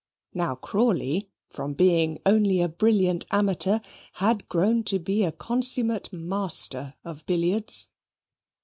Now Crawley, from being only a brilliant amateur, had grown to be a consummate master of billiards.